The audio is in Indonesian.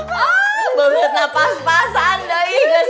beberapa pas pasan ya